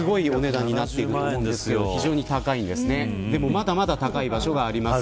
まだまだ高い場所があります。